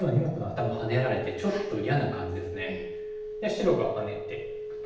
白がハネていくと。